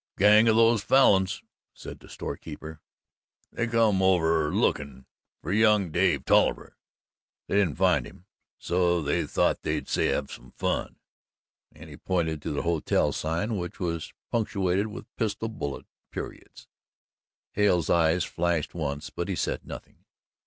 "A gang o' those Falins," said the storekeeper, "they come over lookin' for young Dave Tolliver. They didn't find him, so they thought they'd have some fun"; and he pointed to the hotel sign which was punctuated with pistol bullet periods. Hale's eyes flashed once but he said nothing.